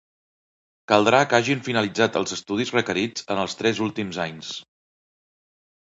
Caldrà que hagin finalitzat els estudis requerits en els tres últims anys.